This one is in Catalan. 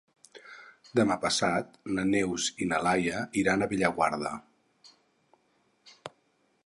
Demà passat na Neus i na Laia iran a Bellaguarda.